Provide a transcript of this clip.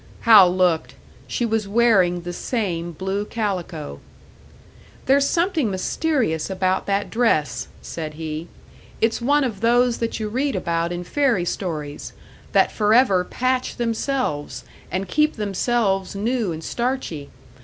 Hal looked; she was wearing the same blue calico. "There's something mysterious about that dress," said he. "It's one of those that you read about in fairy stories, that forever patch themselves, and keep themselves new and starchy.